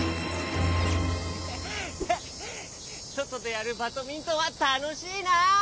そとでやるバドミントンはたのしいな。